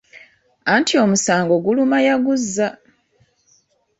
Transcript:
Anti omusango guluma yaguzza!